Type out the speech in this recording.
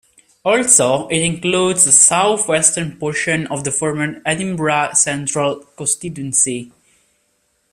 Also, it includes a south western portion of the former Edinburgh Central constituency.